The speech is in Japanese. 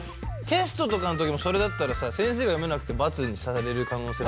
テストとかの時もそれだったらさ先生が読めなくてバツにされる可能性。